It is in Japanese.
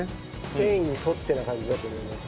繊維に沿ってな感じだと思います。